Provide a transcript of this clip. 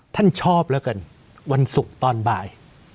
ท่านชอบแล้วกันวันศุกร์ตอนบ่าย